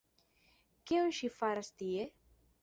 Kion ŝi faras tie?